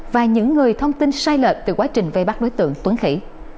và những người thông tin sai lệch từ quá trình vây bắt đối tượng tuấn khỉ